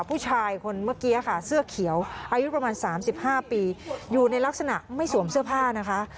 ผู้ชายคนเมื่อกี้ค่ะเสื้อเขียวอายุประมาณ๓๕ปีอยู่ในลักษณะไม่สวมเสื้อผ้านะคะ